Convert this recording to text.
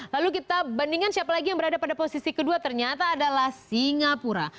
lalu kita bandingkan siapa lagi yang berada pada posisi kedua ternyata adalah singapura